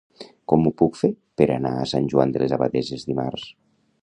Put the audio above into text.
Com ho puc fer per anar a Sant Joan de les Abadesses dimarts?